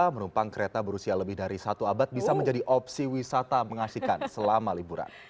menumpang kereta berusia lebih dari satu abad bisa menjadi opsi wisata mengasihkan selama liburan